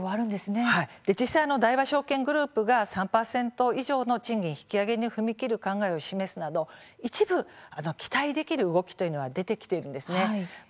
実際、大和証券グループが３％以上の賃金引き上げに踏み切る考えを示すなど一部、期待できる動きが出てきています。